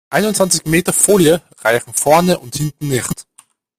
Einundzwanzig Meter Folie reichen vorne und hinten nicht.